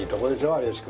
有吉君。